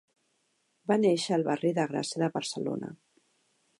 Va néixer al barri de Gràcia de Barcelona.